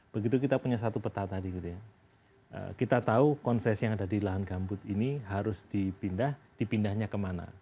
begitu kita punya satu peta tadi gitu ya kita tahu konsesi yang ada di lahan gambut ini harus dipindah dipindahnya kemana